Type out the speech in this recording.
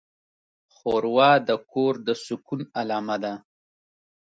ښوروا د کور د سکون علامه ده.